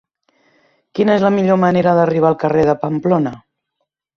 Quina és la millor manera d'arribar al carrer de Pamplona?